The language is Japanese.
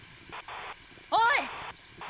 おい！